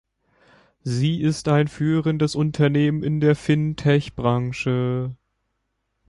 Sie ist ein führendes Unternehmen in der Fintech-Branche.